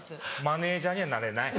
マネジャーにはなれない。